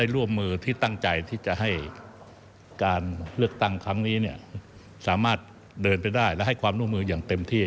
และให้ความนุ่มมืออย่างเต็มที่